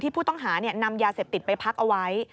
ผู้ต้องหานำยาเสพติดไปพักเอาไว้